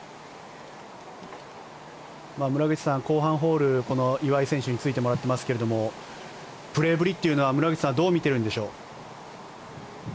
村口さん、後半ホールこの岩井選手についてもらっていますがプレーぶりというのは村口さんはどう見ているんでしょう？